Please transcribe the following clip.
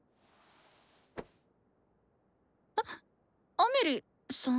アメリさん？